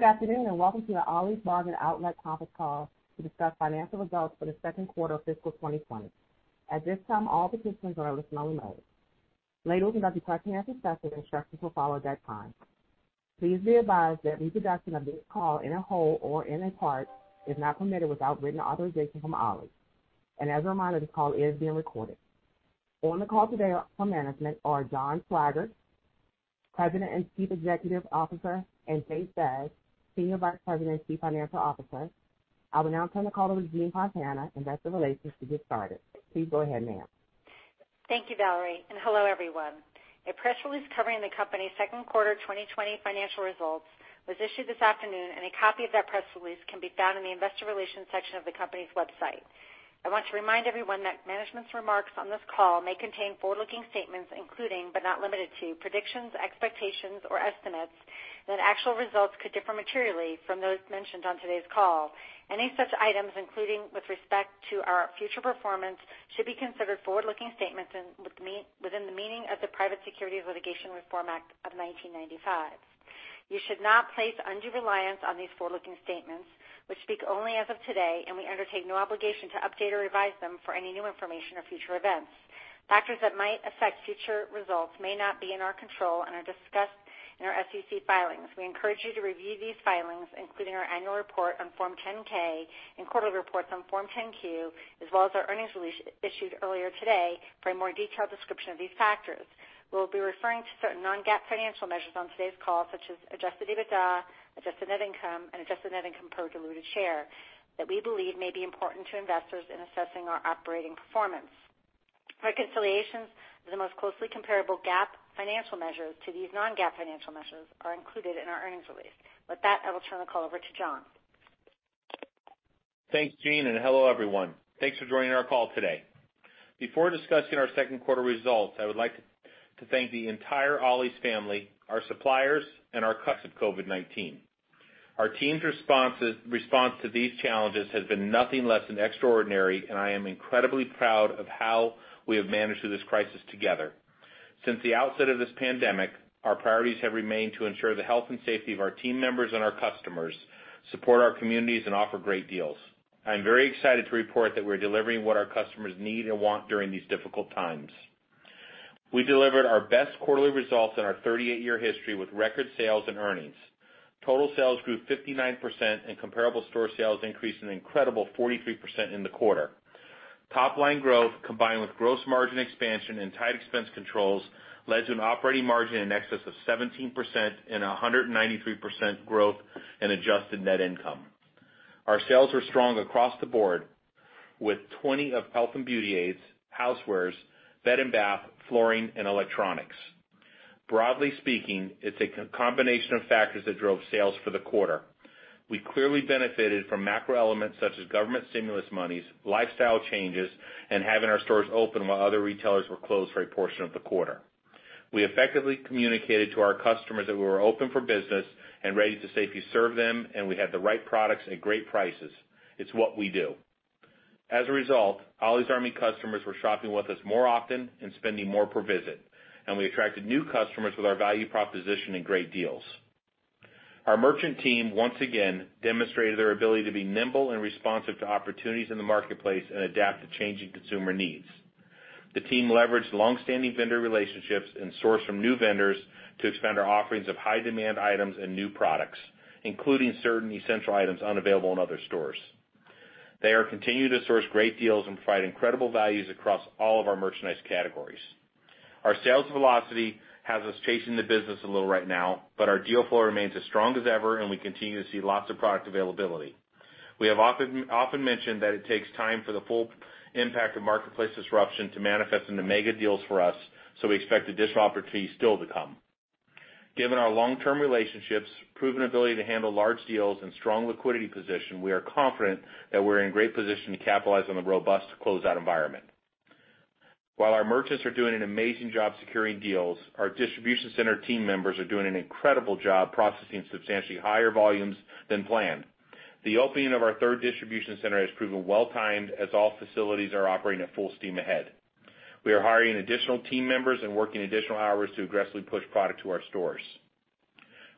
Good afternoon, and welcome to the Ollie's Bargain Outlet conference call to discuss financial results for the second quarter of fiscal 2020. At this time, all participants are in listen-only mode. Later, we will conduct a question-and-answer session, instructions will follow at that time. Please be advised that reproduction of this call in a whole or in a part is not permitted without written authorization from Ollie's. As a reminder, this call is being recorded. On the call today from management are John Swygert, President and Chief Executive Officer, and Jay Stasz, Senior Vice President and Chief Financial Officer. I will now turn the call over to Jean Fontana, Investor Relations, to get started. Please go ahead, ma'am. Thank you, Valerie, and hello, everyone. A press release covering the company's second quarter 2020 financial results was issued this afternoon, and a copy of that press release can be found in the Investor Relations section of the company's website. I want to remind everyone that management's remarks on this call may contain forward-looking statements, including, but not limited to, predictions, expectations, or estimates, that actual results could differ materially from those mentioned on today's call. Any such items, including with respect to our future performance, should be considered forward-looking statements within the meaning of the Private Securities Litigation Reform Act of 1995. You should not place undue reliance on these forward-looking statements, which speak only as of today, and we undertake no obligation to update or revise them for any new information or future events. Factors that might affect future results may not be in our control and are discussed in our SEC filings. We encourage you to review these filings, including our annual report on Form 10-K and quarterly reports on Form 10-Q, as well as our earnings release issued earlier today for a more detailed description of these factors. We'll be referring to certain non-GAAP financial measures on today's call, such as adjusted EBITDA, adjusted net income, and adjusted net income per diluted share, that we believe may be important to investors in assessing our operating performance. Reconciliations to the most closely comparable GAAP financial measures to these non-GAAP financial measures are included in our earnings release. With that, I will turn the call over to John. Thanks, Jean, and hello, everyone. Thanks for joining our call today. Before discussing our second quarter results, I would like to thank the entire Ollie's family, our suppliers, and our customers for their resilience amidst the unprecedented challenges of COVID-19. Our team's response to these challenges has been nothing less than extraordinary, and I am incredibly proud of how we have managed through this crisis together. Since the outset of this pandemic, our priorities have remained to ensure the health and safety of our team members and our customers, support our communities, and offer great deals. I am very excited to report that we're delivering what our customers need and want during these difficult times. We delivered our best quarterly results in our 38-year history with record sales and earnings. Total sales grew 59%, and comparable store sales increased an incredible 43% in the quarter. Top line growth, combined with gross margin expansion and tight expense controls, led to an operating margin in excess of 17% and 193% growth in adjusted net income. Our sales were strong across the board, with 20 of health and beauty aids, housewares, bed and bath, flooring, and electronics. Broadly speaking, it's a combination of factors that drove sales for the quarter. We clearly benefited from macro elements such as government stimulus monies, lifestyle changes, and having our stores open while other retailers were closed for a portion of the quarter. We effectively communicated to our customers that we were open for business and ready to safely serve them, and we had the right products and great prices. It's what we do. As a result, Ollie's Army customers were shopping with us more often and spending more per visit, and we attracted new customers with our value proposition and great deals. Our merchant team, once again, demonstrated their ability to be nimble and responsive to opportunities in the marketplace and adapt to changing consumer needs. The team leveraged long-standing vendor relationships and sourced from new vendors to expand our offerings of high demand items and new products, including certain essential items unavailable in other stores. They are continuing to source great deals and provide incredible values across all of our merchandise categories. Our sales velocity has us chasing the business a little right now, but our deal flow remains as strong as ever, and we continue to see lots of product availability. We have often, often mentioned that it takes time for the full impact of marketplace disruption to manifest into mega deals for us, so we expect the disruptor fee still to come. Given our long-term relationships, proven ability to handle large deals, and strong liquidity position, we are confident that we're in great position to capitalize on the robust closeout environment. While our merchants are doing an amazing job securing deals, our distribution center team members are doing an incredible job processing substantially higher volumes than planned. The opening of our third distribution center has proven well-timed, as all facilities are operating at full steam ahead. We are hiring additional team members and working additional hours to aggressively push product to our stores.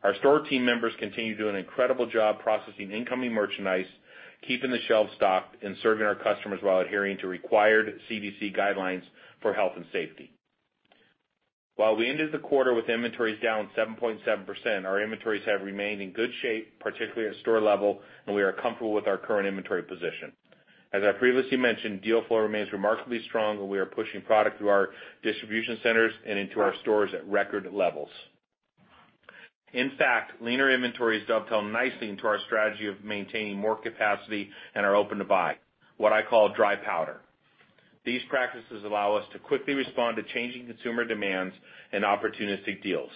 Our store team members continue to do an incredible job processing incoming merchandise, keeping the shelves stocked, and serving our customers while adhering to required CDC guidelines for health and safety. While we ended the quarter with inventories down 7.7%, our inventories have remained in good shape, particularly at store level, and we are comfortable with our current inventory position. As I previously mentioned, deal flow remains remarkably strong, and we are pushing product through our distribution centers and into our stores at record levels. In fact, leaner inventories dovetail nicely into our strategy of maintaining more capacity and are open to buy, what I call dry powder. These practices allow us to quickly respond to changing consumer demands and opportunistic deals.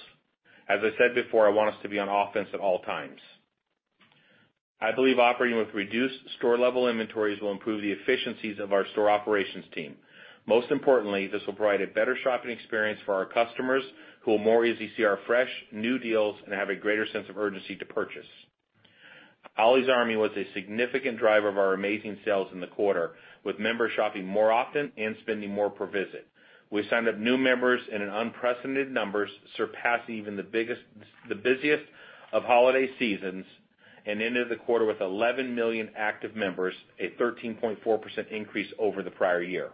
As I said before, I want us to be on offense at all times. I believe operating with reduced store-level inventories will improve the efficiencies of our store operations team. Most importantly, this will provide a better shopping experience for our customers, who will more easily see our fresh, new deals and have a greater sense of urgency to purchase... Ollie's Army was a significant driver of our amazing sales in the quarter, with members shopping more often and spending more per visit. We signed up new members in unprecedented numbers, surpassing even the busiest of holiday seasons, and ended the quarter with 11 million active members, a 13.4% increase over the prior year.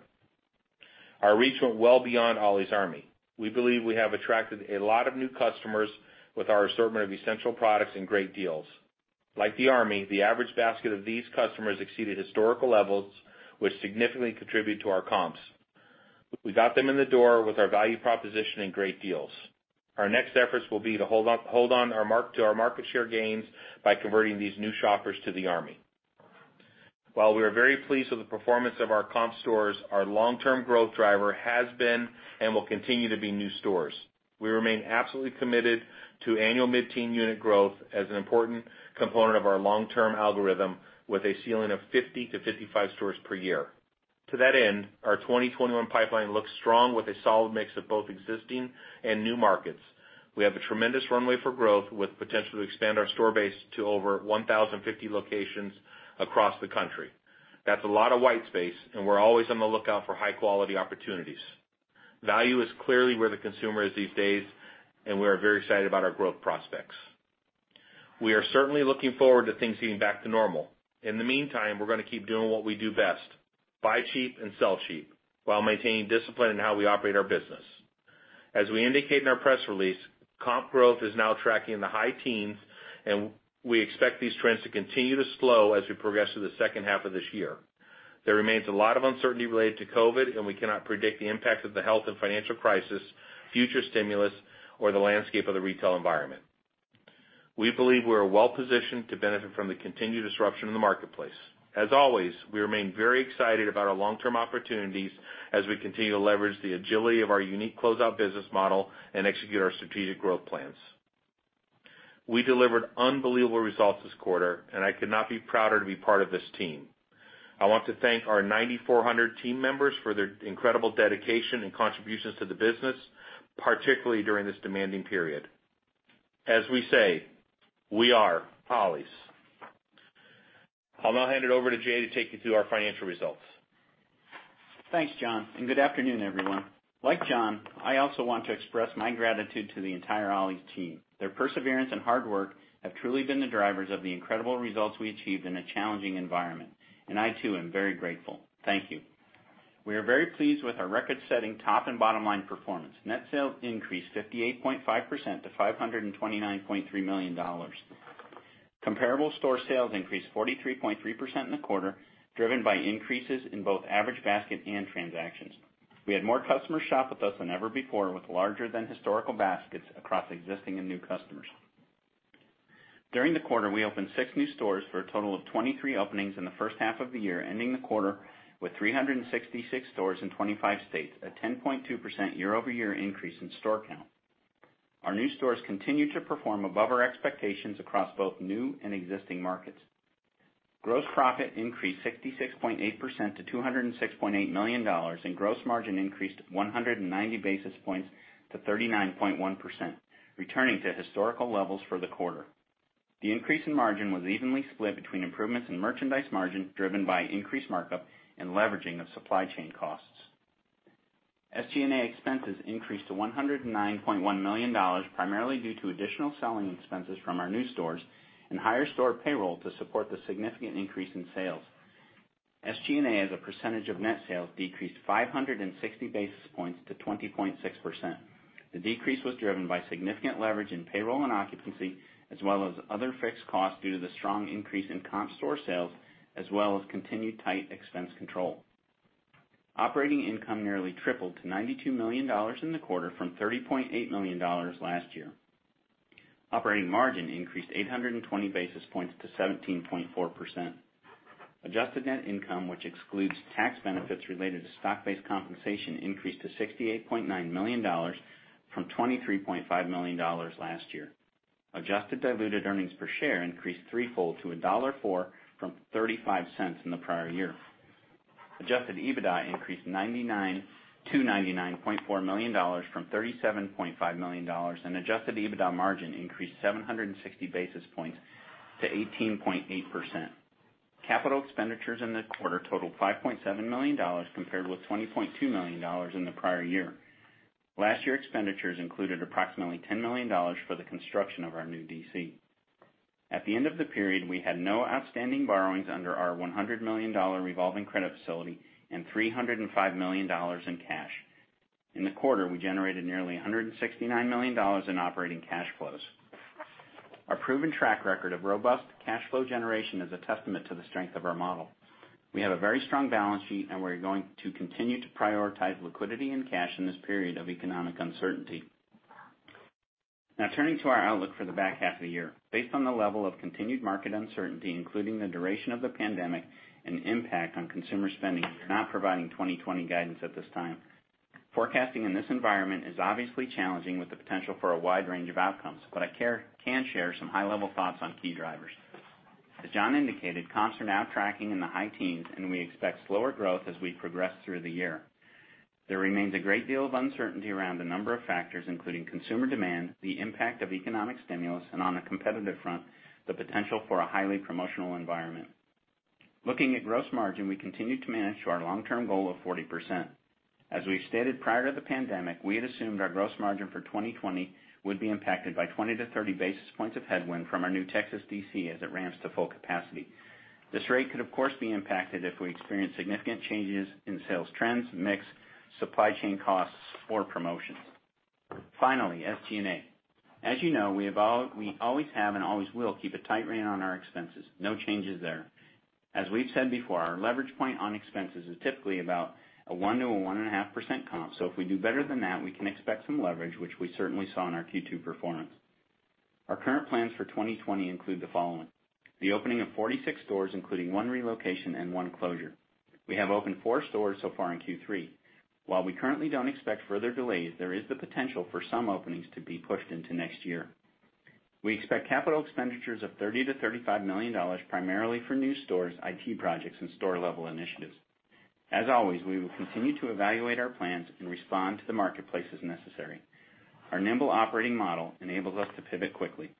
Our reach went well beyond Ollie's Army. We believe we have attracted a lot of new customers with our assortment of essential products and great deals. Like the Army, the average basket of these customers exceeded historical levels, which significantly contributed to our comps. We got them in the door with our value proposition and great deals. Our next efforts will be to hold on to our market share gains by converting these new shoppers to the Army. While we are very pleased with the performance of our comp stores, our long-term growth driver has been and will continue to be new stores. We remain absolutely committed to annual mid-teen unit growth as an important component of our long-term algorithm, with a ceiling of 50-55 stores per year. To that end, our 2021 pipeline looks strong, with a solid mix of both existing and new markets. We have a tremendous runway for growth, with potential to expand our store base to over 1,050 locations across the country. That's a lot of white space, and we're always on the lookout for high-quality opportunities. Value is clearly where the consumer is these days, and we are very excited about our growth prospects. We are certainly looking forward to things getting back to normal. In the meantime, we're gonna keep doing what we do best: buy cheap and sell cheap, while maintaining discipline in how we operate our business. As we indicate in our press release, comp growth is now tracking in the high teens, and we expect these trends to continue to slow as we progress through the second half of this year. There remains a lot of uncertainty related to COVID, and we cannot predict the impact of the health and financial crisis, future stimulus, or the landscape of the retail environment. We believe we are well positioned to benefit from the continued disruption in the marketplace. As always, we remain very excited about our long-term opportunities as we continue to leverage the agility of our unique closeout business model and execute our strategic growth plans. We delivered unbelievable results this quarter, and I could not be prouder to be part of this team. I want to thank our 9,400 team members for their incredible dedication and contributions to the business, particularly during this demanding period. As we say, "We are Ollie's." I'll now hand it over to Jay to take you through our financial results. Thanks, John, and good afternoon, everyone. Like John, I also want to express my gratitude to the entire Ollie's team. Their perseverance and hard work have truly been the drivers of the incredible results we achieved in a challenging environment, and I, too, am very grateful. Thank you. We are very pleased with our record-setting top and bottom line performance. Net sales increased 58.5% to $529.3 million. Comparable store sales increased 43.3% in the quarter, driven by increases in both average basket and transactions. We had more customers shop with us than ever before, with larger than historical baskets across existing and new customers. During the quarter, we opened 6 new stores for a total of 23 openings in the first half of the year, ending the quarter with 366 stores in 25 states, a 10.2% year-over-year increase in store count. Our new stores continued to perform above our expectations across both new and existing markets. Gross profit increased 66.8% to $206.8 million, and gross margin increased 190 basis points to 39.1%, returning to historical levels for the quarter. The increase in margin was evenly split between improvements in merchandise margin, driven by increased markup and leveraging of supply chain costs. SG&A expenses increased to $109.1 million, primarily due to additional selling expenses from our new stores and higher store payroll to support the significant increase in sales. SG&A, as a percentage of net sales, decreased 560 basis points to 20.6%. The decrease was driven by significant leverage in payroll and occupancy, as well as other fixed costs, due to the strong increase in comp store sales, as well as continued tight expense control. Operating income nearly tripled to $92 million in the quarter from $30.8 million last year. Operating margin increased 820 basis points to 17.4%. Adjusted net income, which excludes tax benefits related to stock-based compensation, increased to $68.9 million from $23.5 million last year. Adjusted diluted earnings per share increased threefold to $1.04 from $0.35 in the prior year. Adjusted EBITDA increased to $99.4 million from $37.5 million, and adjusted EBITDA margin increased 760 basis points to 18.8%. Capital expenditures in the quarter totaled $5.7 million, compared with $20.2 million in the prior year. Last year's expenditures included approximately $10 million for the construction of our new DC. At the end of the period, we had no outstanding borrowings under our $100 million revolving credit facility and $305 million in cash. In the quarter, we generated nearly $169 million in operating cash flows. Our proven track record of robust cash flow generation is a testament to the strength of our model. We have a very strong balance sheet, and we're going to continue to prioritize liquidity and cash in this period of economic uncertainty. Now, turning to our outlook for the back half of the year. Based on the level of continued market uncertainty, including the duration of the pandemic and impact on consumer spending, we're not providing 2020 guidance at this time. Forecasting in this environment is obviously challenging with the potential for a wide range of outcomes, but I can share some high-level thoughts on key drivers. As John indicated, comps are now tracking in the high teens, and we expect slower growth as we progress through the year. There remains a great deal of uncertainty around the number of factors, including consumer demand, the impact of economic stimulus, and on the competitive front, the potential for a highly promotional environment. Looking at gross margin, we continue to manage to our long-term goal of 40%. As we've stated prior to the pandemic, we had assumed our gross margin for 2020 would be impacted by 20-30 basis points of headwind from our new Texas DC as it ramps to full capacity. This rate could, of course, be impacted if we experience significant changes in sales trends, mix, supply chain costs, or promotions. Finally, SG&A. As you know, we always have and always will keep a tight rein on our expenses. No changes there. As we've said before, our leverage point on expenses is typically about a 1-1.5% comp, so if we do better than that, we can expect some leverage, which we certainly saw in our Q2 performance. Our current plans for 2020 include the following: the opening of 46 stores, including one relocation and one closure. We have opened 4 stores so far in Q3. While we currently don't expect further delays, there is the potential for some openings to be pushed into next year. We expect capital expenditures of $30 million-$35 million, primarily for new stores, IT projects, and store-level initiatives. As always, we will continue to evaluate our plans and respond to the marketplace as necessary. Our nimble operating model enables us to pivot quickly.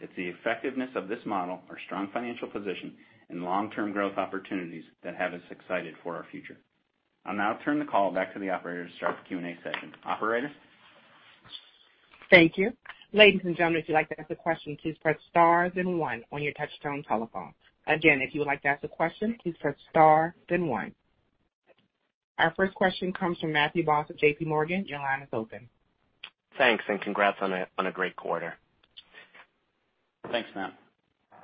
It's the effectiveness of this model, our strong financial position, and long-term growth opportunities that have us excited for our future. I'll now turn the call back to the operator to start the Q&A session. Operator? Thank you. Ladies and gentlemen, if you'd like to ask a question, please press star then one on your touchtone telephone. Again, if you would like to ask a question, please press star then one. Our first question comes from Matthew Boss of JPMorgan. Your line is open. Thanks, and congrats on a great quarter. Thanks, Matt.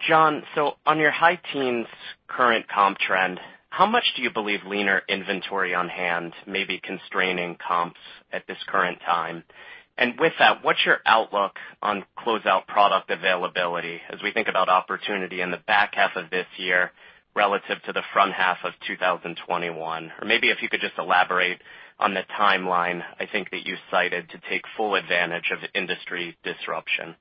John, so on your high teens current comp trend, how much do you believe leaner inventory on hand may be constraining comps at this current time? And with that, what's your outlook on closeout product availability as we think about opportunity in the back half of this year relative to the front half of 2021? Or maybe if you could just elaborate on the timeline, I think, that you cited to take full advantage of industry disruption.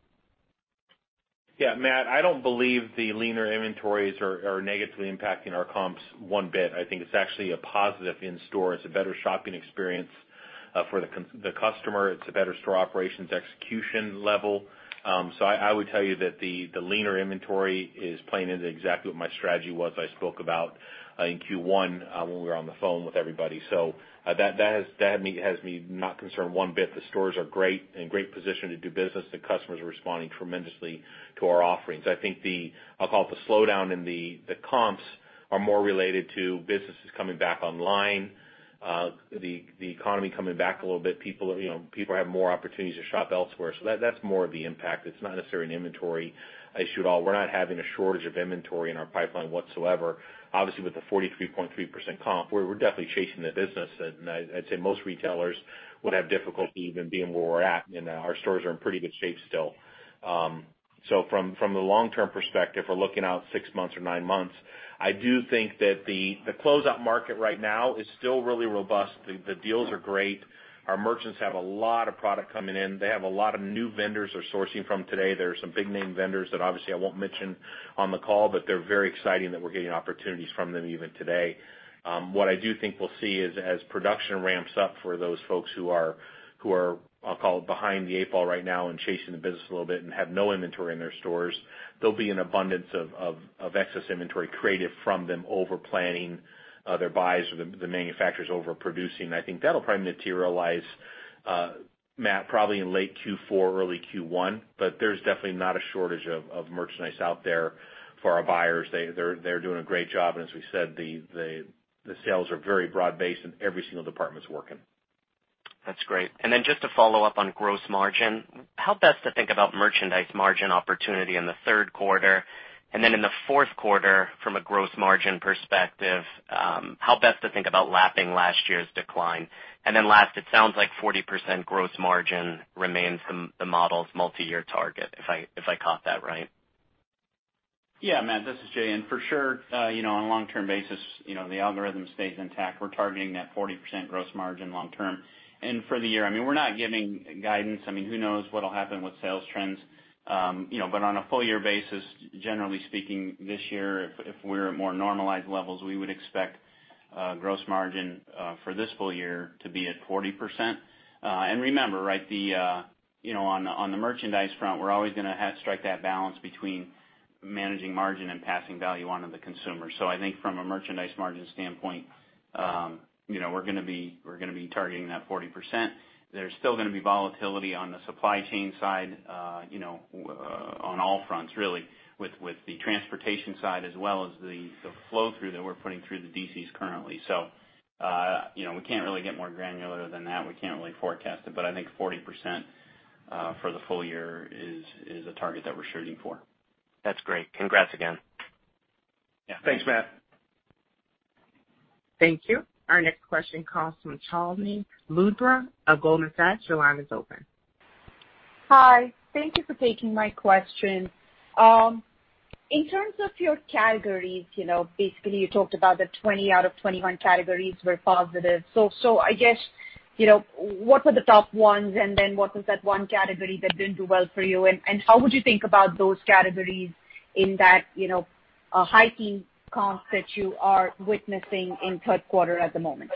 Yeah, Matt, I don't believe the leaner inventories are negatively impacting our comps one bit. I think it's actually a positive in store. It's a better shopping experience for the customer. It's a better store operations execution level. So I would tell you that the leaner inventory is playing into exactly what my strategy was I spoke about in Q1 when we were on the phone with everybody. So that has me not concerned one bit. The stores are great, in great position to do business. The customers are responding tremendously to our offerings. I think I'll call it the slowdown in the comps are more related to businesses coming back online, the economy coming back a little bit. People, you know, people have more opportunities to shop elsewhere. That's more of the impact. It's not necessarily an inventory issue at all. We're not having a shortage of inventory in our pipeline whatsoever. Obviously, with the 43.3% comp, we're definitely chasing the business, and I'd say most retailers would have difficulty even being where we're at, and our stores are in pretty good shape still. So from the long-term perspective, we're looking out 6 months or 9 months, I do think that the closeout market right now is still really robust. The deals are great. Our merchants have a lot of product coming in. They have a lot of new vendors they're sourcing from today. There are some big name vendors that obviously I won't mention on the call, but they're very exciting that we're getting opportunities from them even today. What I do think we'll see is, as production ramps up for those folks who are, who are, I'll call it, behind the eight ball right now and chasing the business a little bit and have no inventory in their stores, there'll be an abundance of excess inventory created from them overplanning their buys or the manufacturers overproducing. I think that'll probably materialize, Matt, probably in late Q4, early Q1, but there's definitely not a shortage of merchandise out there for our buyers. They're doing a great job, and as we said, the sales are very broad-based and every single department's working. That's great. And then just to follow up on gross margin, how best to think about merchandise margin opportunity in the third quarter, and then in the fourth quarter, from a gross margin perspective, how best to think about lapping last year's decline? And then last, it sounds like 40% gross margin remains the, the model's multi-year target, if I, if I caught that right. Yeah, Matt, this is Jay, and for sure, you know, on a long-term basis, you know, the algorithm stays intact. We're targeting that 40% gross margin long term. And for the year, I mean, we're not giving guidance. I mean, who knows what'll happen with sales trends? You know, but on a full year basis, generally speaking, this year, if we're at more normalized levels, we would expect gross margin for this full year to be at 40%. And remember, right, the, you know, on the, on the merchandise front, we're always gonna have to strike that balance between managing margin and passing value on to the consumer. So I think from a merchandise margin standpoint, you know, we're gonna be, we're gonna be targeting that 40%. There's still gonna be volatility on the supply chain side, you know, on all fronts, really, with, with the transportation side as well as the, the flow-through that we're putting through the DCs currently. So, you know, we can't really get more granular than that. We can't really forecast it, but I think 40%, for the full year is, is a target that we're shooting for. That's great. Congrats again. Yeah, thanks, Matt. Thank you. Our next question comes from Chandni Lulla of Goldman Sachs. Your line is open. Hi. Thank you for taking my question. In terms of your categories, you know, basically, you talked about the 20 out of 21 categories were positive. So, I guess, you know, what are the top ones, and then what was that one category that didn't do well for you? And how would you think about those categories in that, you know-... the high comps that you are witnessing in the third quarter at the moment?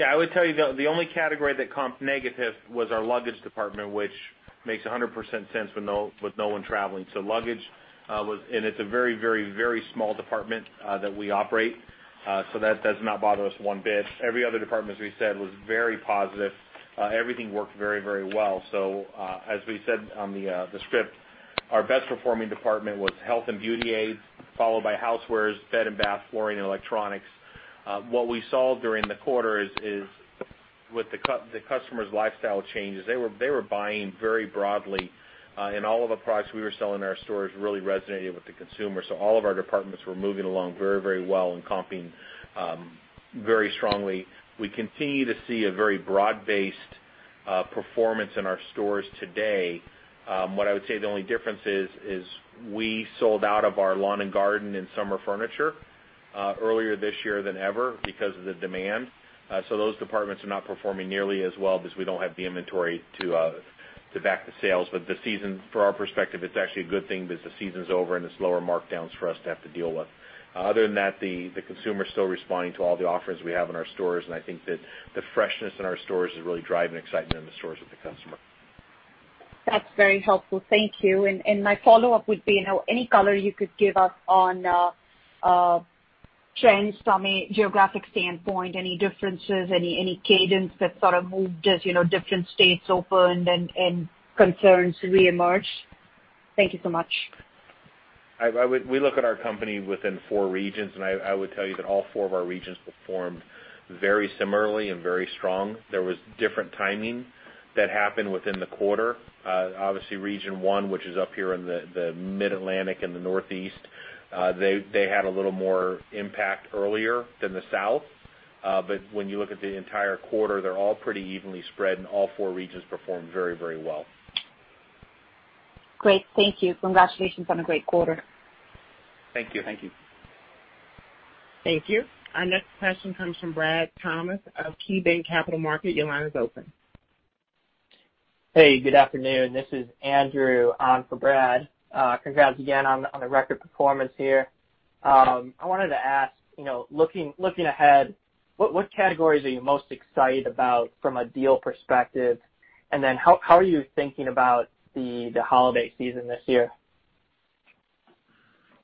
Yeah, I would tell you, the only category that comped negative was our luggage department, which makes 100% sense when with no one traveling. So luggage was-- and it's a very, very, very small department that we operate, so that does not bother us one bit. Every other department, as we said, was very positive. Everything worked very, very well. So, as we said on the script, our best performing department was health and beauty aids, followed by housewares, bed and bath, flooring, and electronics. What we saw during the quarter is with the customer's lifestyle changes, they were buying very broadly, and all of the products we were selling in our stores really resonated with the consumer. So all of our departments were moving along very, very well and comping very strongly. We continue to see a very broad-based performance in our stores today. What I would say the only difference is, is we sold out of our lawn and garden and summer furniture earlier this year than ever because of the demand. So those departments are not performing nearly as well because we don't have the inventory to back the sales. But the season, from our perspective, it's actually a good thing that the season's over and it's lower markdowns for us to have to deal with. Other than that, the consumer is still responding to all the offerings we have in our stores, and I think that the freshness in our stores is really driving excitement in the stores with the customer. That's very helpful. Thank you. My follow-up would be, you know, any color you could give us on trends from a geographic standpoint, any differences, any cadence that sort of moved as, you know, different states opened and concerns reemerged? Thank you so much. I would. We look at our company within four regions, and I would tell you that all four of our regions performed very similarly and very strong. There was different timing that happened within the quarter. Obviously, Region One, which is up here in the Mid-Atlantic and the Northeast, they had a little more impact earlier than the South. But when you look at the entire quarter, they're all pretty evenly spread, and all four regions performed very, very well. Great. Thank you. Congratulations on a great quarter. Thank you. Thank you. Thank you. Our next question comes from Brad Thomas of KeyBanc Capital Markets. Your line is open. Hey, good afternoon. This is Andrew on for Brad. Congrats again on the record performance here. I wanted to ask, you know, looking ahead, what categories are you most excited about from a deal perspective? And then how are you thinking about the holiday season this year?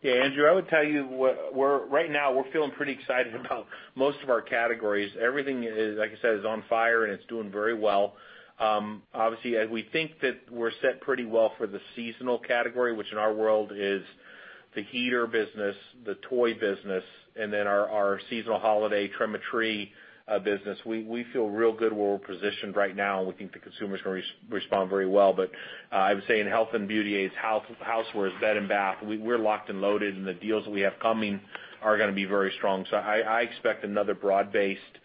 Yeah, Andrew, I would tell you we're right now, we're feeling pretty excited about most of our categories. Everything is, like I said, is on fire, and it's doing very well. Obviously, as we think that we're set pretty well for the seasonal category, which in our world is the heater business, the toy business, and then our seasonal holiday trim-a-tree business. We feel real good where we're positioned right now, and we think the consumer is gonna respond very well. But I would say in health and beauty aids, housewares, bed and bath, we're locked and loaded, and the deals we have coming are gonna be very strong. So I expect another broad-based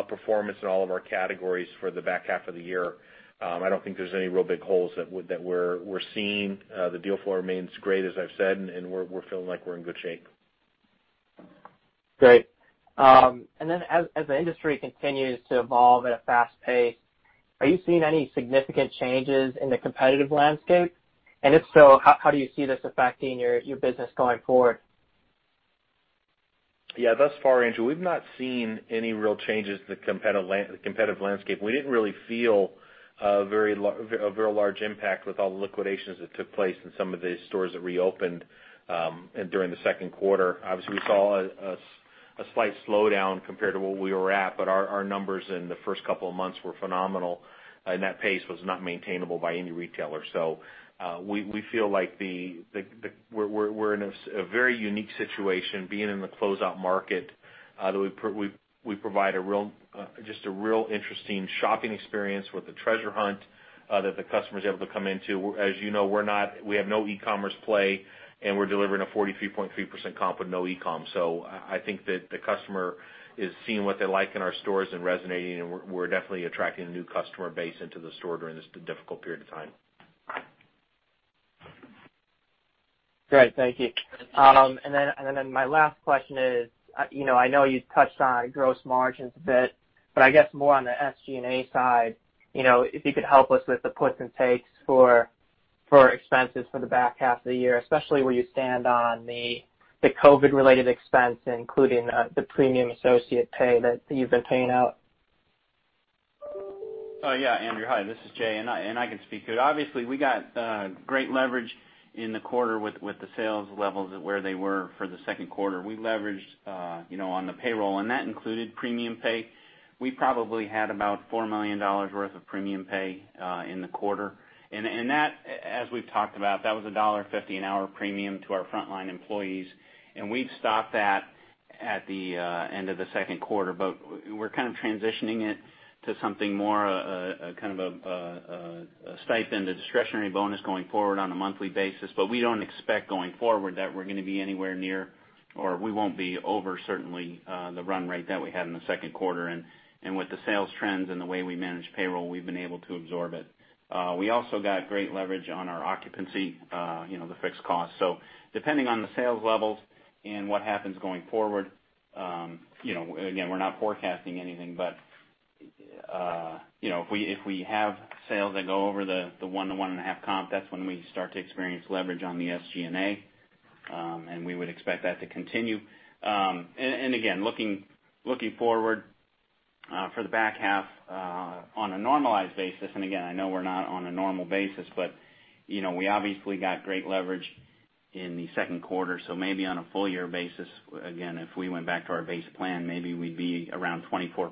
performance in all of our categories for the back half of the year. I don't think there's any real big holes that we're seeing. The deal flow remains great, as I've said, and we're feeling like we're in good shape. Great. And then as the industry continues to evolve at a fast pace, are you seeing any significant changes in the competitive landscape? And if so, how do you see this affecting your business going forward? Yeah, thus far, Andrew, we've not seen any real changes to the competitive landscape. We didn't really feel a very large impact with all the liquidations that took place in some of the stores that reopened, and during the second quarter. Obviously, we saw a slight slowdown compared to where we were at, but our numbers in the first couple of months were phenomenal, and that pace was not maintainable by any retailer. So, we feel like we're in a very unique situation, being in the closeout market, that we provide a real, just a real interesting shopping experience with the treasure hunt, that the customer is able to come into. As you know, we're not—we have no e-commerce play, and we're delivering a 43.3% comp with no e-com. So I, I think that the customer is seeing what they like in our stores and resonating, and we're, we're definitely attracting a new customer base into the store during this difficult period of time. Great, thank you. And then my last question is, you know, I know you've touched on gross margins a bit, but I guess more on the SG&A side, you know, if you could help us with the puts and takes for expenses for the back half of the year, especially where you stand on the COVID-related expense, including the premium associate pay that you've been paying out. Oh, yeah, Andrew, hi, this is Jay, and I can speak to it. Obviously, we got great leverage in the quarter with the sales levels where they were for the second quarter. We leveraged, you know, on the payroll, and that included premium pay. We probably had about $4 million worth of premium pay in the quarter. And that, as we've talked about, that was $1.50 an hour premium to our frontline employees, and we've stopped that at the end of the second quarter. But we're kind of transitioning it to something more, a kind of a stipend, a discretionary bonus going forward on a monthly basis. But we don't expect going forward that we're gonna be anywhere near, or we won't be over certainly, the run rate that we had in the second quarter. And with the sales trends and the way we manage payroll, we've been able to absorb it. We also got great leverage on our occupancy, you know, the fixed cost. So depending on the sales levels and what happens going forward, you know, again, we're not forecasting anything, but- You know, if we have sales that go over the 1-1.5 comp, that's when we start to experience leverage on the SG&A, and we would expect that to continue. And again, looking forward, for the back half, on a normalized basis, and again, I know we're not on a normal basis, but, you know, we obviously got great leverage in the second quarter. So maybe on a full year basis, again, if we went back to our base plan, maybe we'd be around 24% for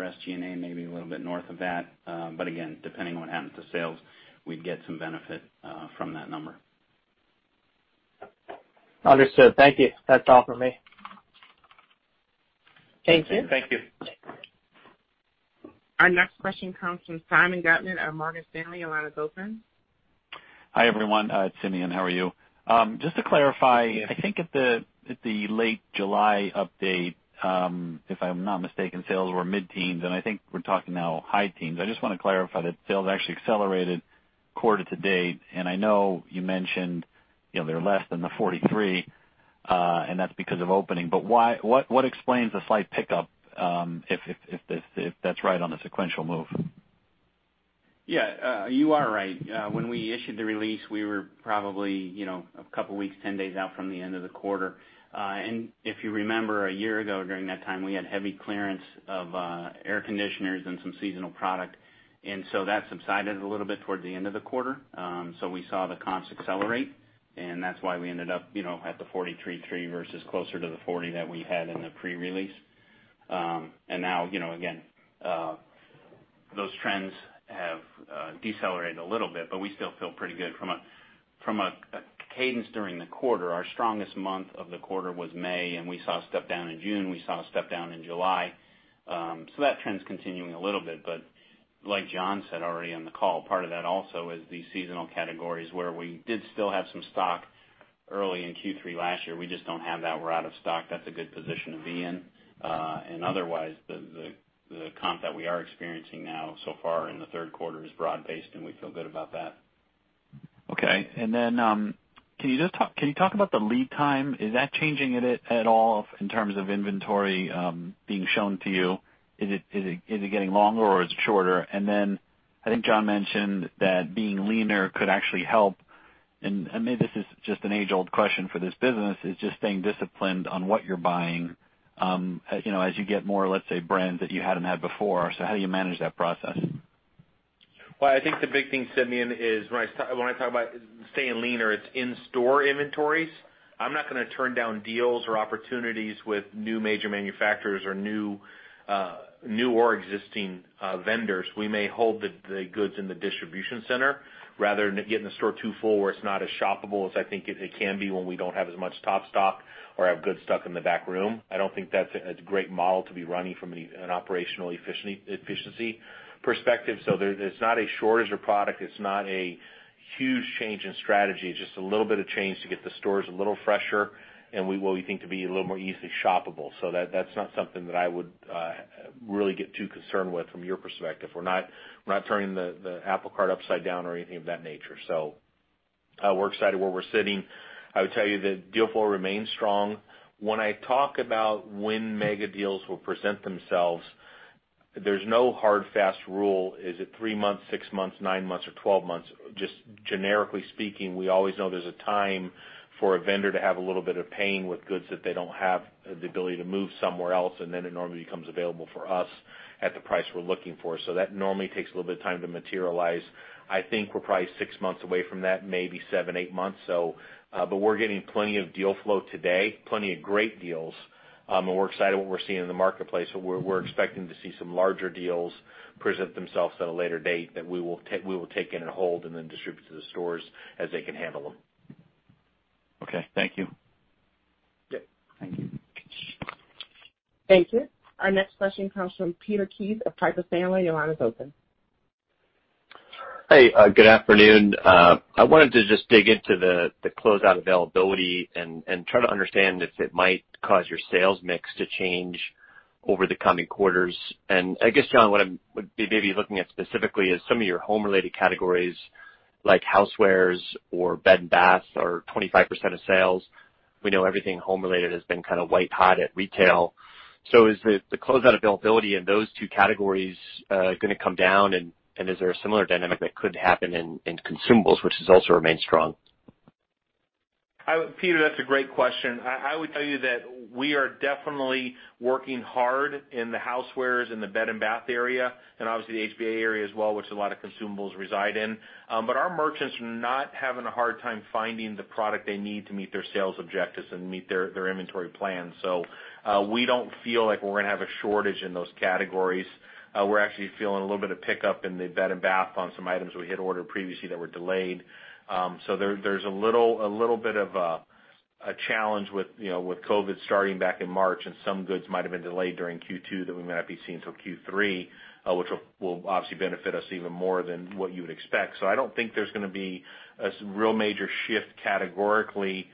SG&A, maybe a little bit north of that. But again, depending on what happens to sales, we'd get some benefit from that number. Understood. Thank you. That's all for me. Thank you. Thank you. Our next question comes from Simeon Gutman of Morgan Stanley. Your line is open. Hi, everyone, it's Simeon. How are you? Just to clarify, I think at the late July update, if I'm not mistaken, sales were mid-teens, and I think we're talking now high teens. I just wanna clarify that sales actually accelerated quarter to date, and I know you mentioned, you know, they're less than the 43, and that's because of opening. But why—what explains the slight pickup, if that's right on the sequential move? Yeah, you are right. When we issued the release, we were probably, you know, a couple of weeks, 10 days out from the end of the quarter. And if you remember, a year ago, during that time, we had heavy clearance of air conditioners and some seasonal product. And so that subsided a little bit toward the end of the quarter. So we saw the comps accelerate, and that's why we ended up, you know, at the 43.3 versus closer to the 40 that we had in the pre-release. And now, you know, again, those trends have decelerated a little bit, but we still feel pretty good from a, from a cadence during the quarter. Our strongest month of the quarter was May, and we saw a step down in June, we saw a step down in July. So that trend's continuing a little bit, but like John said already on the call, part of that also is the seasonal categories where we did still have some stock early in Q3 last year. We just don't have that. We're out of stock. That's a good position to be in. And otherwise, the comp that we are experiencing now so far in the third quarter is broad-based, and we feel good about that. Okay. And then, can you just talk about the lead time? Is that changing at all in terms of inventory being shown to you? Is it getting longer, or is it shorter? And then I think John mentioned that being leaner could actually help, and maybe this is just an age-old question for this business, is just staying disciplined on what you're buying, you know, as you get more, let's say, brands that you hadn't had before. So how do you manage that process? Well, I think the big thing, Simeon, is when I talk about staying leaner, it's in-store inventories. I'm not gonna turn down deals or opportunities with new major manufacturers or new, new or existing, vendors. We may hold the goods in the distribution center rather than getting the store too full, where it's not as shoppable as I think it can be when we don't have as much top stock or have goods stuck in the back room. I don't think that's a great model to be running from an operational efficiency perspective. So, it's not a shortage of product. It's not a huge change in strategy. It's just a little bit of change to get the stores a little fresher, and what we think to be a little more easily shoppable. So that, that's not something that I would really get too concerned with from your perspective. We're not, we're not turning the apple cart upside down or anything of that nature. So, we're excited where we're sitting. I would tell you that deal flow remains strong. When I talk about when mega deals will present themselves, there's no hard, fast rule. Is it 3 months, 6 months, 9 months, or 12 months? Just generically speaking, we always know there's a time for a vendor to have a little bit of pain with goods that they don't have the ability to move somewhere else, and then it normally becomes available for us at the price we're looking for. So that normally takes a little bit of time to materialize. I think we're probably 6 months away from that, maybe 7, 8 months. But we're getting plenty of deal flow today, plenty of great deals, and we're excited what we're seeing in the marketplace. But we're, we're expecting to see some larger deals present themselves at a later date that we will take, we will take in and hold and then distribute to the stores as they can handle them. Okay. Thank you. Yep. Thank you. Thank you. Our next question comes from Peter Keith of Piper Sandler. Your line is open. Hey, good afternoon. I wanted to just dig into the closeout availability and try to understand if it might cause your sales mix to change over the coming quarters. And I guess, John, what I'm maybe looking at specifically is some of your home-related categories, like housewares or bed and bath, are 25% of sales. We know everything home-related has been kind of white hot at retail. So is the closeout availability in those two categories gonna come down, and is there a similar dynamic that could happen in consumables, which has also remained strong? I would, Peter, that's a great question. I, I would tell you that we are definitely working hard in the housewares, in the bed and bath area, and obviously, the HBA area as well, which a lot of consumables reside in. But our merchants are not having a hard time finding the product they need to meet their sales objectives and meet their, their inventory plans. So, we don't feel like we're gonna have a shortage in those categories. We're actually feeling a little bit of pickup in the bed and bath on some items we had ordered previously that were delayed. So there's a little bit of a challenge with, you know, with COVID starting back in March, and some goods might have been delayed during Q2 that we might not be seeing till Q3, which will obviously benefit us even more than what you would expect. So I don't think there's gonna be a real major shift categorically,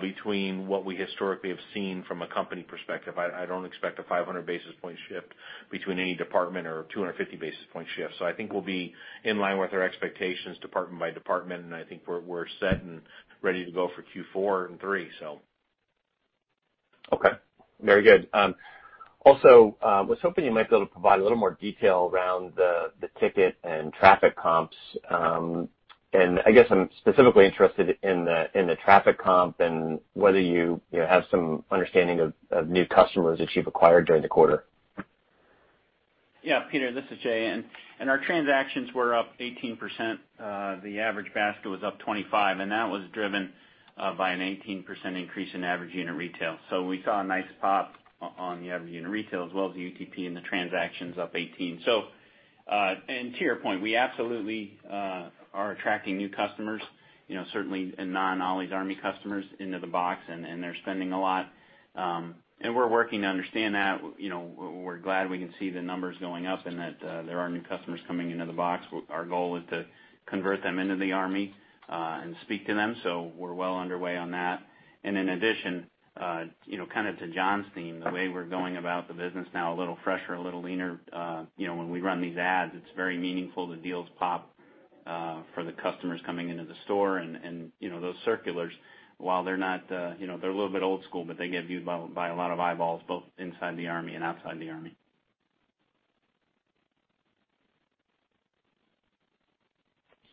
between what we historically have seen from a company perspective. I don't expect a 500 basis point shift between any department or a 250 basis point shift. So I think we'll be in line with our expectations, department by department, and I think we're set and ready to go for Q4 and three, so.... Okay, very good. Also, was hoping you might be able to provide a little more detail around the, the ticket and traffic comps. And I guess I'm specifically interested in the, in the traffic comp and whether you, you know, have some understanding of, of new customers that you've acquired during the quarter. Yeah, Peter, this is Jay, and our transactions were up 18%. The average basket was up 25, and that was driven by an 18% increase in average unit retail. So we saw a nice pop on the average unit retail as well as the UPT and the transactions up 18. So, and to your point, we absolutely are attracting new customers, you know, certainly non Ollie's Army customers into the box, and they're spending a lot. And we're working to understand that. You know, we're glad we can see the numbers going up and that there are new customers coming into the box. Our goal is to convert them into the Army, and speak to them, so we're well underway on that. And in addition, you know, kind of to John's theme, the way we're going about the business now, a little fresher, a little leaner, you know, when we run these ads, it's very meaningful. The deals pop for the customers coming into the store. And, you know, those circulars, while they're not, you know, they're a little bit old school, but they get viewed by a lot of eyeballs, both inside the Army and outside the Army.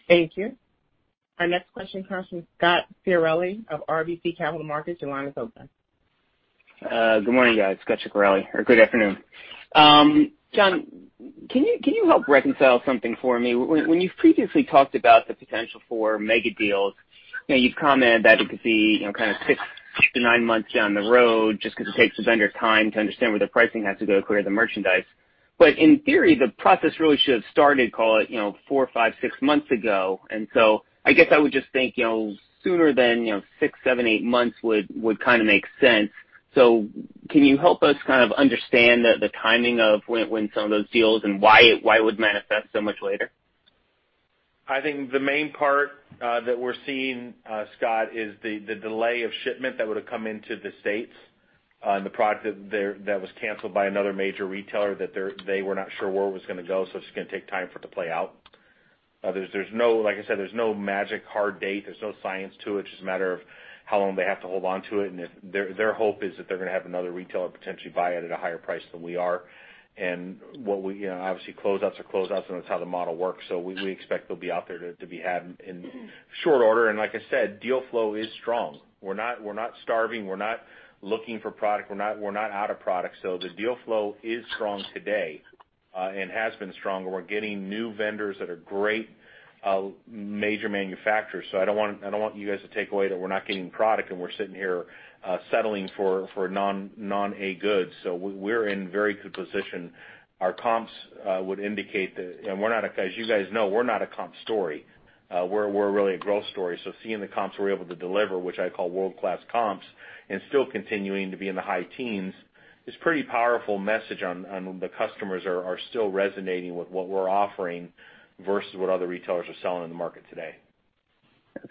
Thank you. Our next question comes from Scot Ciccarelli of RBC Capital Markets. Your line is open. Good morning, guys. Scot Ciccarelli, or good afternoon. John, can you, can you help reconcile something for me? When, when you've previously talked about the potential for mega deals, you know, you've commented that it could be, you know, kind of 6-9 months down the road, just because it takes the vendor time to understand where the pricing has to go to clear the merchandise. But in theory, the process really should have started, call it, you know, 4, 5, 6 months ago. And so I guess I would just think, you know, sooner than, you know, 6, 7, 8 months would, would kind of make sense. So can you help us kind of understand the, the timing of when, when some of those deals and why it, why it would manifest so much later? I think the main part that we're seeing, Scott, is the delay of shipment that would have come into the States, and the product that was canceled by another major retailer, that they were not sure where it was gonna go, so it's gonna take time for it to play out. There's no—like I said, there's no magic hard date, there's no science to it. It's just a matter of how long they have to hold on to it. And their hope is that they're gonna have another retailer potentially buy it at a higher price than we are. And what we, you know, obviously, closeouts are closeouts, and that's how the model works. So we expect they'll be out there to be had in short order. And like I said, deal flow is strong. We're not, we're not starving, we're not looking for product. We're not, we're not out of product. So the deal flow is strong today, and has been strong. We're getting new vendors that are great, major manufacturers. So I don't want, I don't want you guys to take away that we're not getting product and we're sitting here, settling for, for non, non-A goods. So we're in very good position. Our comps would indicate that. And as you guys know, we're not a comp story. We're, we're really a growth story. So seeing the comps we're able to deliver, which I call world-class comps, and still continuing to be in the high teens, is pretty powerful message on, on the customers are, are still resonating with what we're offering versus what other retailers are selling in the market today.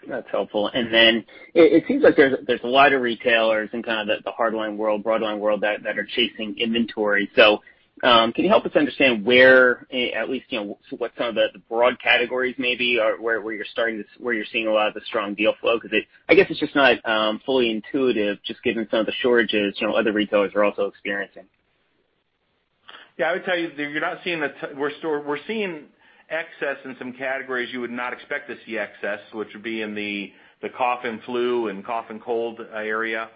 That's helpful. And then it seems like there's a lot of retailers in kind of the hard line world, broad line world that are chasing inventory. So, can you help us understand where, at least, you know, what some of the broad categories may be, or where you're starting this, where you're seeing a lot of the strong deal flow? Because I guess it's just not fully intuitive, just given some of the shortages, you know, other retailers are also experiencing. Yeah, I would tell you, you're not seeing the excess in some categories you would not expect to see excess, which would be in the cough and flu and cough and cold area.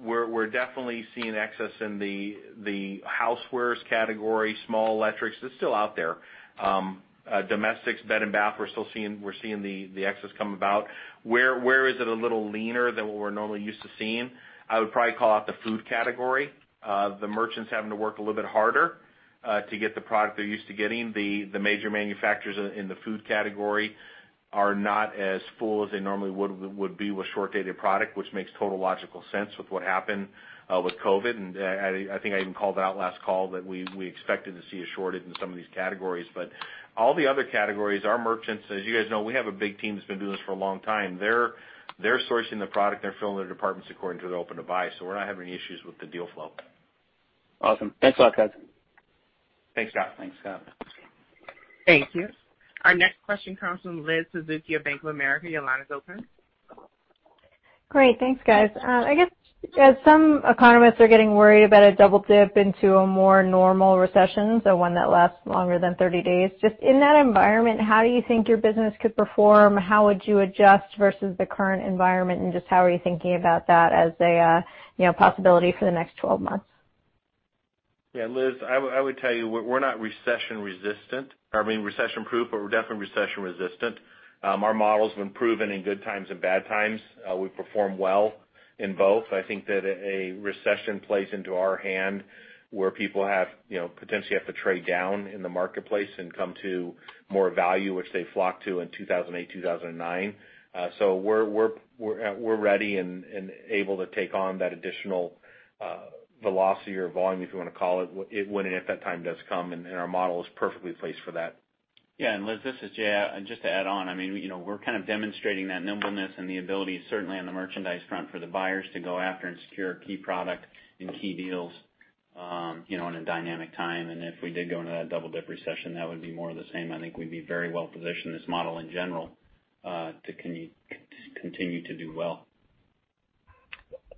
We're definitely seeing excess in the housewares category, small electrics; it's still out there. Domestics, bed and bath, we're still seeing the excess come about. Where is it a little leaner than what we're normally used to seeing? I would probably call out the food category. The merchants having to work a little bit harder to get the product they're used to getting. The major manufacturers in the food category are not as full as they normally would be with short dated product, which makes total logical sense with what happened with COVID. I think I even called out last call that we expected to see a shortage in some of these categories. But all the other categories, our merchants, as you guys know, we have a big team that's been doing this for a long time. They're sourcing the product, they're filling their departments according to their open to buy, so we're not having any issues with the deal flow. Awesome. Thanks a lot, guys. Thanks, Scott. Thanks, Scott. Thank you. Our next question comes from Liz Suzuki of Bank of America. Your line is open. Great. Thanks, guys. I guess as some economists are getting worried about a double dip into a more normal recession, so one that lasts longer than 30 days, just in that environment, how do you think your business could perform? How would you adjust versus the current environment? And just how are you thinking about that as a, you know, possibility for the next 12 months? Yeah, Liz, I would tell you, we're not recession resistant, or I mean, recession proof, but we're definitely recession resistant. Our model's been proven in good times and bad times. We perform well in both. I think that a recession plays into our hand where people have, you know, potentially have to trade down in the marketplace and come to more value, which they flocked to in 2008, 2009. So we're ready and able to take on that additional velocity or volume, if you wanna call it, when and if that time does come, and our model is perfectly placed for that. Yeah, and Liz, this is Jay. Just to add on, I mean, you know, we're kind of demonstrating that nimbleness and the ability, certainly on the merchandise front, for the buyers to go after and secure key product and key deals... you know, in a dynamic time, and if we did go into that double-dip recession, that would be more of the same. I think we'd be very well positioned, this model in general, to continue to do well.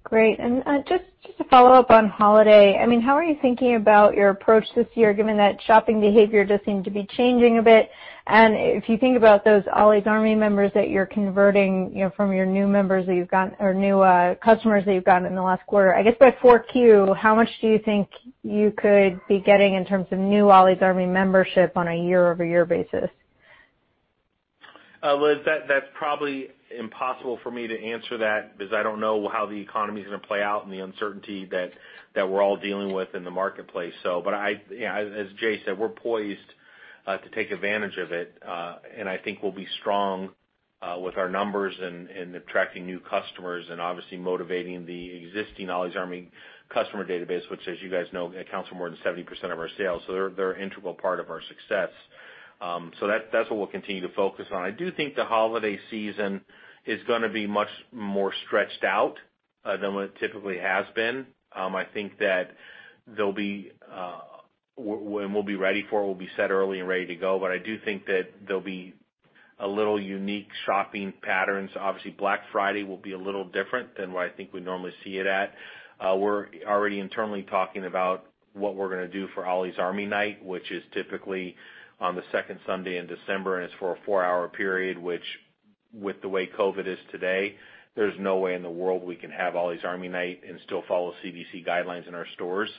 Great. And, just, just to follow up on holiday, I mean, how are you thinking about your approach this year, given that shopping behavior does seem to be changing a bit? And if you think about those Ollie's Army members that you're converting, you know, from your new members that you've got, or new, customers that you've gotten in the last quarter, I guess by 4Q, how much do you think you could be getting in terms of new Ollie's Army membership on a year-over-year basis? Liz, that's probably impossible for me to answer that because I don't know how the economy is gonna play out and the uncertainty that we're all dealing with in the marketplace. So but I, yeah, as Jay said, we're poised to take advantage of it and I think we'll be strong with our numbers and attracting new customers and obviously motivating the existing Ollie's Army customer database, which, as you guys know, accounts for more than 70% of our sales, so they're an integral part of our success. So that's what we'll continue to focus on. I do think the holiday season is gonna be much more stretched out than what it typically has been. I think that there'll be and we'll be ready for it. We'll be set early and ready to go. But I do think that there'll be a little unique shopping patterns. Obviously, Black Friday will be a little different than what I think we normally see it at. We're already internally talking about what we're gonna do for Ollie's Army Night, which is typically on the second Sunday in December, and it's for a four-hour period, which with the way COVID is today, there's no way in the world we can have Ollie's Army Night and still follow CDC guidelines in our stores.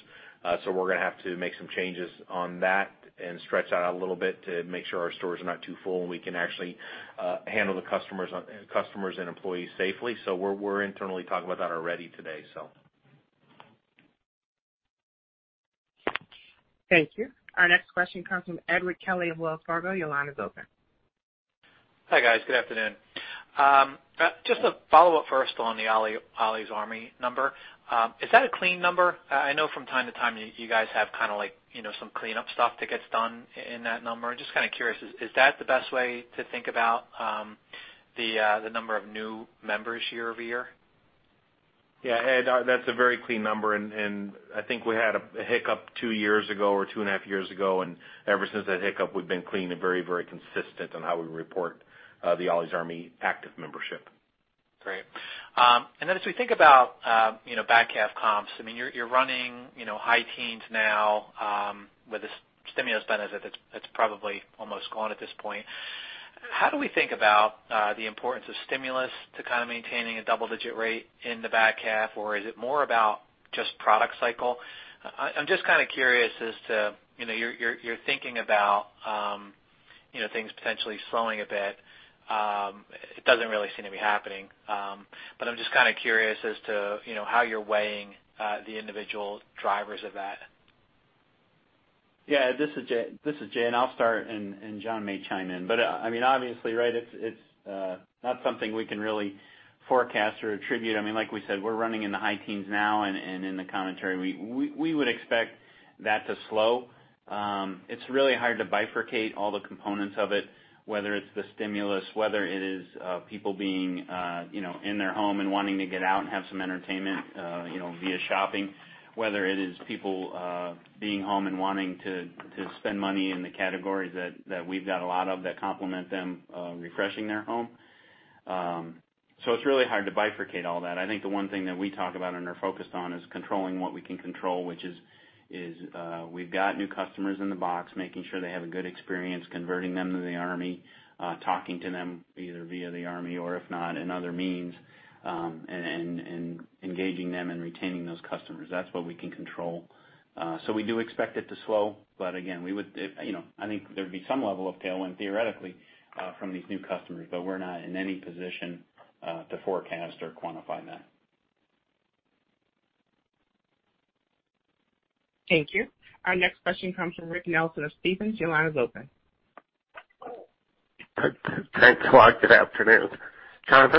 So we're gonna have to make some changes on that and stretch that out a little bit to make sure our stores are not too full, and we can actually handle the customers and employees safely. So we're internally talking about that already today, so. Thank you. Our next question comes from Edward Kelly of Wells Fargo. Your line is open. Hi, guys. Good afternoon. Just to follow up first on the Ollie- Ollie's Army number, is that a clean number? I know from time to time, you, you guys have kind of like, you know, some cleanup stuff that gets done in that number. Just kind of curious, is that the best way to think about the number of new members year over year? Yeah, Ed, that's a very clean number, and, and I think we had a, a hiccup two years ago or two and a half years ago, and ever since that hiccup, we've been clean and very, very consistent on how we report the Ollie's Army active membership. Great. And then as we think about, you know, back half comps, I mean, you're running, you know, high teens now, with the stimulus benefit that's probably almost gone at this point. How do we think about the importance of stimulus to kind of maintaining a double-digit rate in the back half? Or is it more about just product cycle? I'm just kind of curious as to, you know, you're thinking about, you know, things potentially slowing a bit. It doesn't really seem to be happening, but I'm just kind of curious as to, you know, how you're weighing the individual drivers of that. Yeah, this is Jay. This is Jay, and I'll start, and John may chime in. But, I mean, obviously, right, it's not something we can really forecast or attribute. I mean, like we said, we're running in the high teens now and in the commentary. We would expect that to slow. It's really hard to bifurcate all the components of it, whether it's the stimulus, whether it is people being, you know, in their home and wanting to get out and have some entertainment, you know, via shopping, whether it is people being home and wanting to spend money in the categories that we've got a lot of that complement them, refreshing their home. So it's really hard to bifurcate all that. I think the one thing that we talk about and are focused on is controlling what we can control, which is we've got new customers in the box, making sure they have a good experience, converting them to the Army, talking to them, either via the Army or if not, in other means, and engaging them and retaining those customers. That's what we can control. So we do expect it to slow, but again, we would, you know, I think there'd be some level of tailwind, theoretically, from these new customers, but we're not in any position to forecast or quantify that. Thank you. Our next question comes from Rick Nelson of Stephens. Your line is open. Thanks a lot. Good afternoon. John,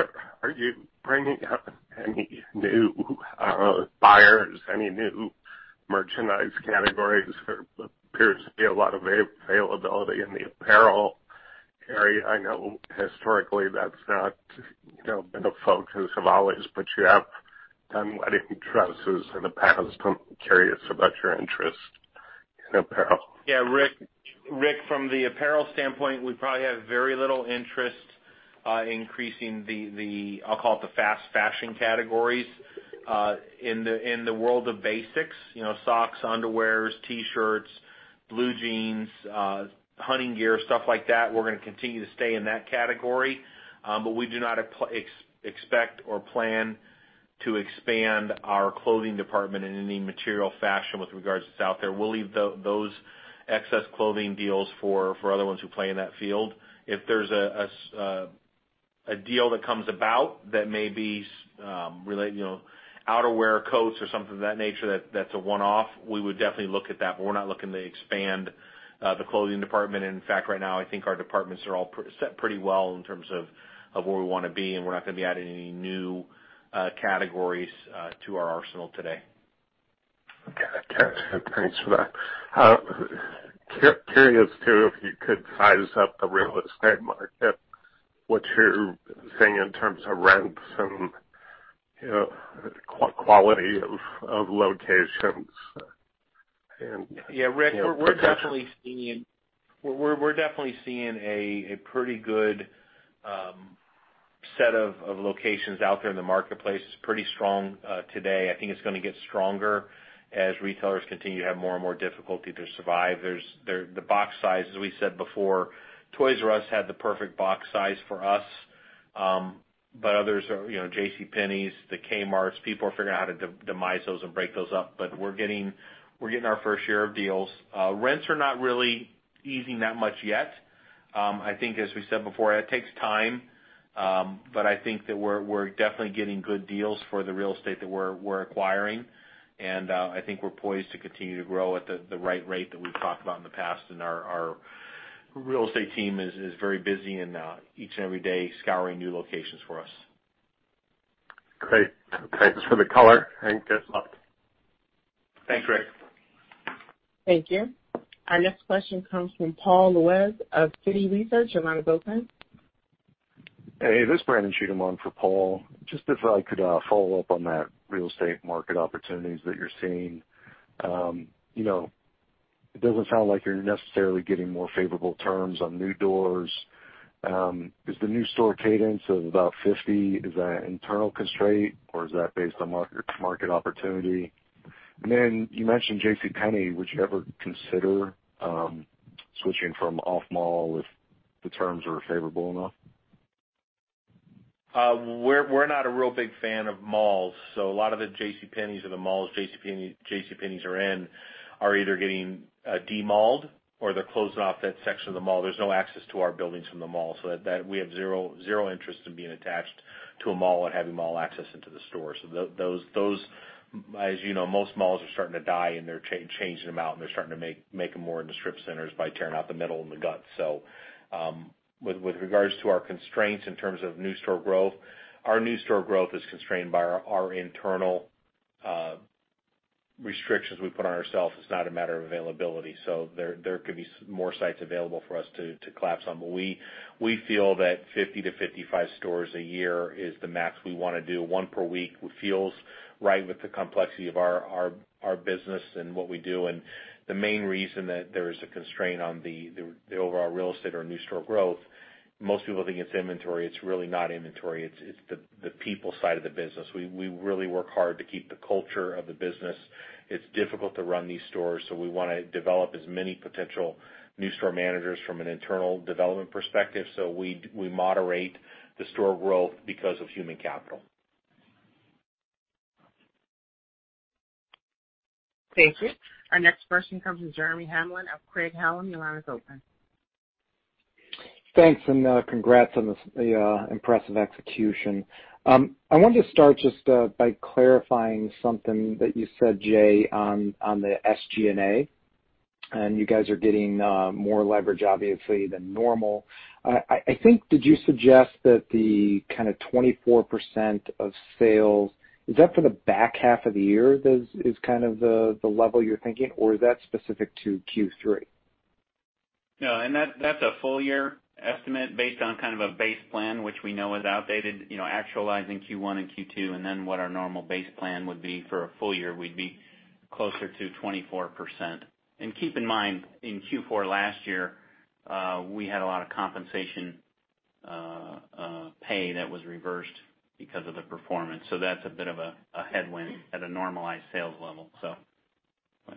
are you bringing up any new buyers, any new merchandise categories? There appears to be a lot of availability in the apparel area. I know historically, that's not, you know, been a focus of Ollie's, but you have done wedding dresses in the past. I'm curious about your interest in apparel. Yeah, Rick, Rick, from the apparel standpoint, we probably have very little interest in increasing the, the, I'll call it the fast fashion categories. In the, in the world of basics, you know, socks, underwears, T-shirts, blue jeans, hunting gear, stuff like that, we're gonna continue to stay in that category. But we do not expect or plan to expand our clothing department in any material fashion with regards to what's out there. We'll leave those excess clothing deals for other ones who play in that field. If there's a deal that comes about that may be related, you know, outerwear, coats or something of that nature, that's a one-off, we would definitely look at that, but we're not looking to expand the clothing department. In fact, right now, I think our departments are all preset pretty well in terms of where we wanna be, and we're not gonna be adding any new categories to our arsenal today. Okay. Okay, thanks for that. Curious, too, if you could size up the real estate market? ... what you're saying in terms of rents and, you know, quality of locations and- Yeah, Rick, we're definitely seeing a pretty good set of locations out there in the marketplace. It's pretty strong today. I think it's gonna get stronger as retailers continue to have more and more difficulty to survive. The box size, as we said before, Toys "R" Us had the perfect box size for us, but others are, you know, J.C. Penney's, the Kmart stores, people are figuring out how to demise those and break those up. But we're getting our fair share of deals. Rents are not really easing that much yet. I think as we said before, it takes time, but I think that we're definitely getting good deals for the real estate that we're acquiring. I think we're poised to continue to grow at the right rate that we've talked about in the past. And our real estate team is very busy and each and every day scouring new locations for us. Great. Thanks for the color, and good luck. Thanks, Rick. Thank you. Our next question comes from Paul Lejuez of Citi. Your line is open. Hey, this is Brandon Cheatham on for Paul. Just if I could follow up on that real estate market opportunities that you're seeing. You know, it doesn't sound like you're necessarily getting more favorable terms on new doors. Is the new store cadence of about 50, is that an internal constraint, or is that based on market opportunity? And then you mentioned J.C. Penney, would you ever consider switching from off mall if the terms are favorable enough? We're not a real big fan of malls, so a lot of the J.C. Penney's in the malls, J.C. Penney, J.C. Penney's are in, are either getting de-malled or they're closing off that section of the mall. There's no access to our buildings from the mall, so that we have zero interest in being attached to a mall and having mall access into the store. So those, as you know, most malls are starting to die, and they're changing them out, and they're starting to make them more into strip centers by tearing out the middle and the guts. So, with regards to our constraints in terms of new store growth, our new store growth is constrained by our internal restrictions we put on ourselves. It's not a matter of availability, so there could be more sites available for us to close on. But we feel that 50-55 stores a year is the max we wanna do; one per week feels right with the complexity of our business and what we do. And the main reason that there is a constraint on the overall real estate or new store growth, most people think it's inventory. It's really not inventory; it's the people side of the business. We really work hard to keep the culture of the business. It's difficult to run these stores, so we wanna develop as many potential new store managers from an internal development perspective. So we moderate the store growth because of human capital. Thank you. Our next question comes from Jeremy Hamblin of Craig-Hallum. Your line is open. Thanks and congrats on the impressive execution. I wanted to start just by clarifying something that you said, Jay, on the SG&A, and you guys are getting more leverage obviously than normal. I think, did you suggest that the kind of 24% of sales, is that for the back half of the year, is kind of the level you're thinking, or is that specific to Q3? No, and that, that's a full year estimate based on kind of a base plan, which we know is outdated. You know, actualizing Q1 and Q2, and then what our normal base plan would be for a full year, we'd be closer to 24%. And keep in mind, in Q4 last year, we had a lot of compensation pay that was reversed because of the performance. So that's a bit of a headwind at a normalized sales level, so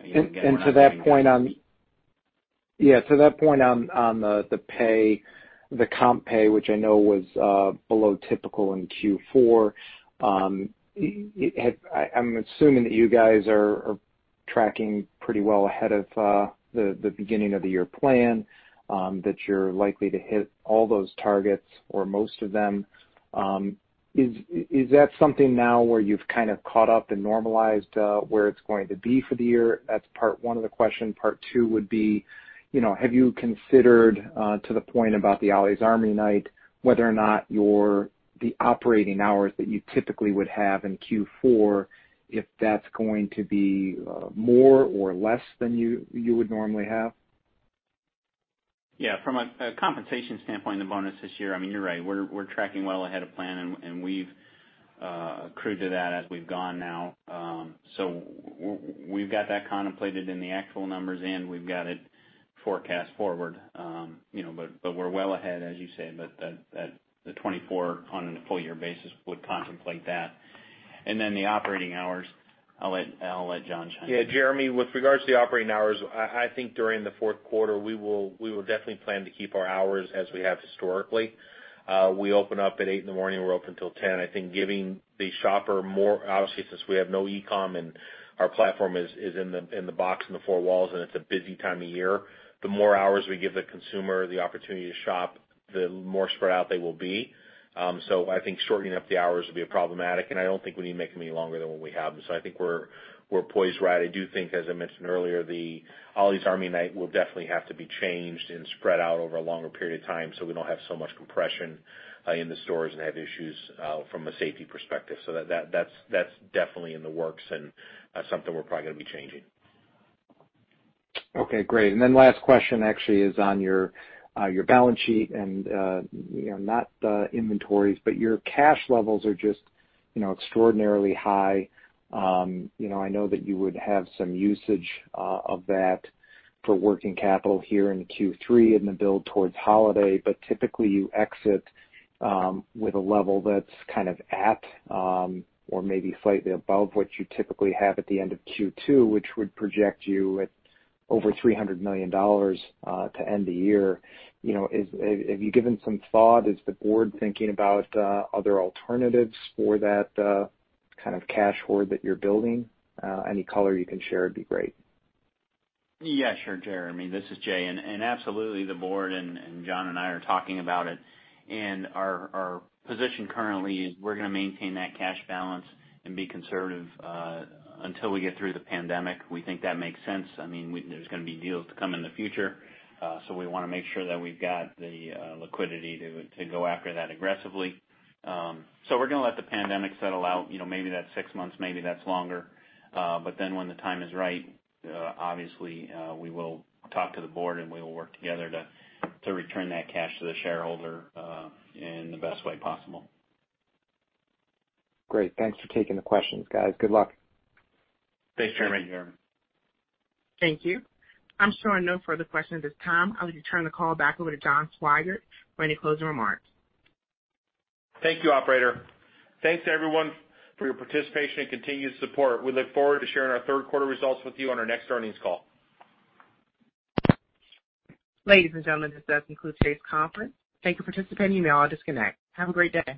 you know, getting around- Yeah, to that point on the comp pay, which I know was below typical in Q4, I'm assuming that you guys are tracking pretty well ahead of the beginning of the year plan, that you're likely to hit all those targets or most of them. Is that something now where you've kind of caught up and normalized, where it's going to be for the year? That's part one of the question. Part two would be, you know, have you considered, to the point about the Ollie's Army Night, whether or not the operating hours that you typically would have in Q4, if that's going to be more or less than you would normally have? Yeah, from a compensation standpoint, the bonus this year, I mean, you're right, we're tracking well ahead of plan, and we've accrued to that as we've gone now. So we've got that contemplated in the actual numbers, and we've got it forecast forward. You know, but we're well ahead, as you say, but the 24 on a full year basis would contemplate that. And then the operating hours, I'll let John chime in. Yeah, Jeremy, with regards to the operating hours, I think during the fourth quarter, we will definitely plan to keep our hours as we have historically. We open up at 8:00 A.M., we're open till 10:00 P.M. I think giving the shopper more, obviously, since we have no e-com and our platform is in the box, in the four walls, and it's a busy time of year, the more hours we give the consumer the opportunity to shop, the more spread out they will be. So I think shortening up the hours would be problematic, and I don't think we need to make them any longer than what we have. So I think we're poised right. I do think, as I mentioned earlier, the Ollie's Army Night will definitely have to be changed and spread out over a longer period of time, so we don't have so much compression in the stores and have issues from a safety perspective. So that's definitely in the works and something we're probably gonna be changing. ... Okay, great. And then last question actually is on your, your balance sheet and, you know, not the inventories, but your cash levels are just, you know, extraordinarily high. You know, I know that you would have some usage, of that for working capital here in Q3 and the build toward holiday, but typically, you exit, with a level that's kind of at, or maybe slightly above what you typically have at the end of Q2, which would project you at over $300 million, to end the year. You know, have you given some thought, is the board thinking about, other alternatives for that, kind of cash hoard that you're building? Any color you can share would be great. Yeah, sure, Jeremy, this is Jay. Absolutely the board and John and I are talking about it, and our position currently is we're gonna maintain that cash balance and be conservative until we get through the pandemic. We think that makes sense. I mean, there's gonna be deals to come in the future. So we wanna make sure that we've got the liquidity to go after that aggressively. So we're gonna let the pandemic settle out, you know, maybe that's six months, maybe that's longer. But then when the time is right, obviously, we will talk to the board, and we will work together to return that cash to the shareholder in the best way possible. Great. Thanks for taking the questions, guys. Good luck. Thanks, Jeremy. Thank you. I'm showing no further questions at this time. I would turn the call back over to John Swygert for any closing remarks. Thank you, operator. Thanks, everyone, for your participation and continued support. We look forward to sharing our third quarter results with you on our next earnings call. Ladies and gentlemen, this does conclude today's conference. Thank you for participating. You may all disconnect. Have a great day.